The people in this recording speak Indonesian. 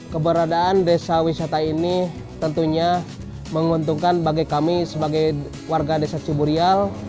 keberadaan desa wisata ini tentunya menguntungkan bagi kami sebagai warga desa ciburial